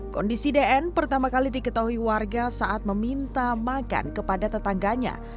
kondisi dn pertama kali diketahui warga saat meminta makan kepada tetangganya